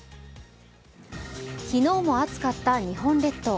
昨日も暑かった日本列島。